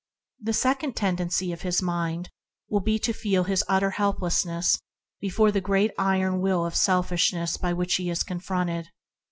The second tendency of his mind will be to feel his utter helpless ness before the great iron wall of selfishness by which he is confronted.